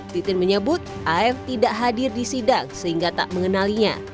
titin menyebut af tidak hadir di sidang sehingga tak mengenalinya